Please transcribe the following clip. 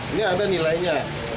ini ada nilainya